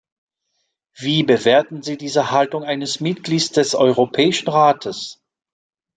Wie bewerten Sie diese Haltung eines Mitglieds des Europäischen Rates?